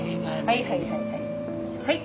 はい。